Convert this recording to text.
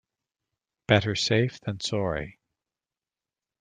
Better safe than sorry.